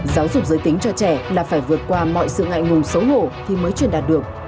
giáo dục giới tính cho trẻ là phải vượt qua mọi sự ngại ngùng xấu hổ thì mới truyền đạt được